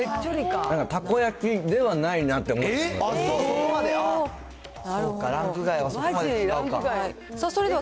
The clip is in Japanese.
たこ焼きではないなって思っそこまで？